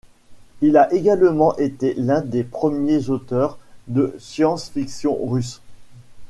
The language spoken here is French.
Il a également été l'un des premiers auteurs de science-fiction russe.